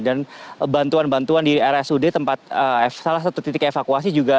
dan bantuan bantuan di area sudut tempat salah satu titik evakuasi juga